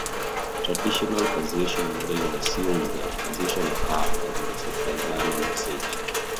Traditional persuasion modelling assumes that persuasion occurs when receptors learn a message.